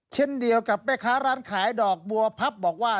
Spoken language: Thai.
เช่นเดียวกับแม่ค้าร้านขายดอกบัวพับบอกว่า